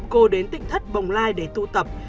cô đến tỉnh thất bồng lai để tu tập